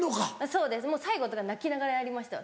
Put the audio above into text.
そうですもう最後とか泣きながらやりました